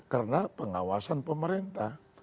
karena pengawasan pemerintah